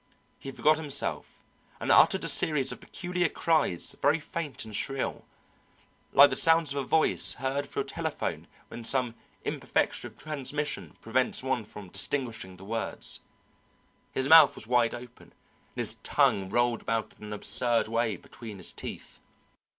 He forgot himself and uttered a series of peculiar cries very faint and shrill, like the sounds of a voice heard through a telephone when some imperfection of transmission prevents one from distinguishing the words. His mouth was wide open and his tongue rolled about in an absurd way between his teeth.